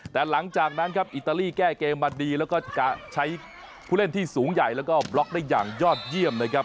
แต่หลังจากนั้นครับอิตาลีแก้เกมมาดีแล้วก็จะใช้ผู้เล่นที่สูงใหญ่แล้วก็บล็อกได้อย่างยอดเยี่ยมนะครับ